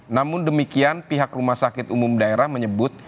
namun demikian pihak rumah sakit umum daerah menyebut